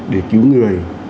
để cứu người